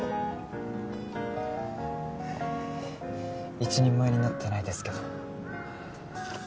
一人前になってないですけど